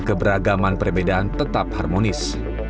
keberagaman perbedaan tetap harmonis